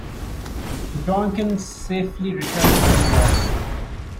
The "Tonquin" safely returned to New York City.